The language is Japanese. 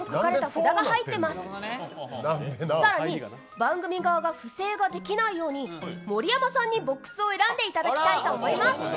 番組側が不正ができないように盛山さんにボックスを選んでいただきたいと思います。